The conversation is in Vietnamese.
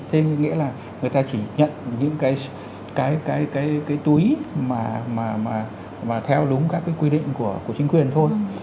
thế nghĩa là người ta chỉ nhận những cái túi mà theo đúng các cái quy định của chính quyền thôi